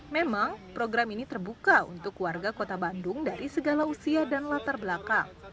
memang program ini terbuka untuk warga kota bandung dari segala usia dan latar belakang